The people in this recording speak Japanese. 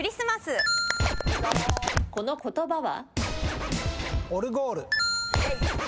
この言葉は？